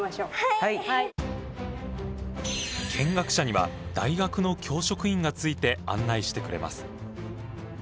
見学者には大学の教職員がついて案内してくれます。